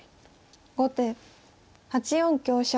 後手８四香車。